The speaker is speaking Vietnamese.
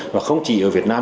và không chỉ ở việt nam